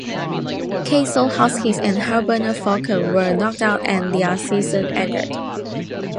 Kassel Huskies and Heilbronner Falken were knocked out and their season ended.